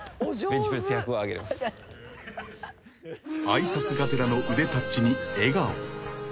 ［挨拶がてらの腕タッチに］